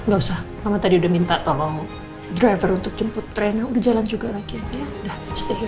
gak usah mama tadi udah minta tolong driver untuk jemput trainer udah jalan juga lagi ya udah stay here